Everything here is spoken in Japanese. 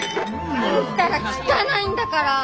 あんたら汚いんだから！